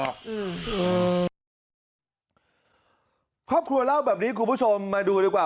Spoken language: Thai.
ครอบครัวเล่าแบบนี้คุณผู้ชมมาดูดีกว่า